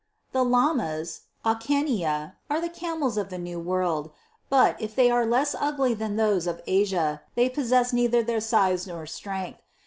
1 8. The LAMAS, Jlitclnnia, are the camels of the new world, but, if they are less ugly than those of Asia, they possess neither their size nor strength.